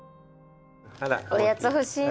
おやつ欲しいね。